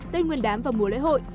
tên nguyên đám vào mùa lễ hội